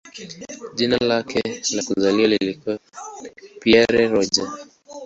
Jina lake la kuzaliwa lilikuwa "Pierre Roger".